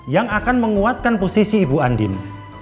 yang akan menguatkan posisi ibu andin